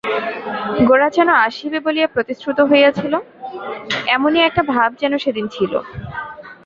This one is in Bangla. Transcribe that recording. গোরা যেন আসিবে বলিয়া প্রতিশ্রুত হইয়াছিল, এমনি একটা ভাব যেন সেদিন ছিল।